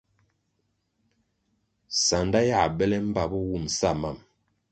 Sanda yiā bele mbpa bo wum sa mam.